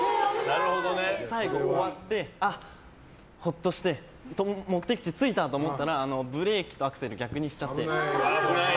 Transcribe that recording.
最後終わって、ほっとして目的地着いたと思ったらブレーキとアクセル逆にしちゃって。